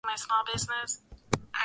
na nadhani hii inaonyesha kwamba